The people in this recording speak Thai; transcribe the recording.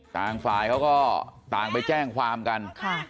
ต่างฝ่ายเขาก็ต่างไปแจ้งความกัน